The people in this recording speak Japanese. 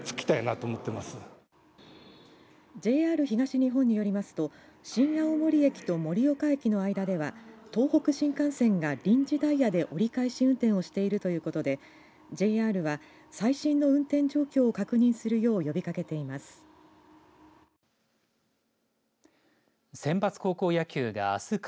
ＪＲ東日本によりますと新青森駅と盛岡駅の間では東北新幹線が臨時ダイヤで折り返し運転をしているということでＪＲは最新の運転状況を確認するよう呼びかけています。